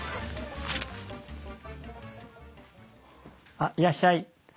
あっいらっしゃい。